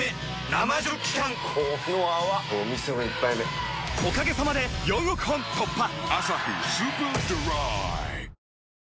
生ジョッキ缶この泡これお店の一杯目おかげさまで４億本突破！